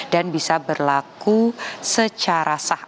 dan bisa berlaku secara sah